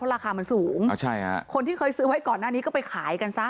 เพราะราคามันสูงอ่าใช่ค่ะคนที่เคยซื้อไว้ก่อนหน้านี้ก็ไปขายกันซะ